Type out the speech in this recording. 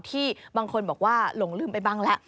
ที่บางคนบอกว่าหลงลืมไปบ้างแล้ว